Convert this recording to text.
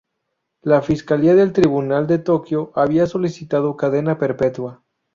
La fiscalía del tribunal de Tokio había solicitado cadena perpetua.